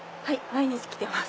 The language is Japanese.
毎日来てます。